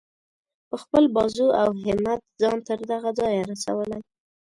په خپل بازو او همت ځان تر دغه ځایه رسولی.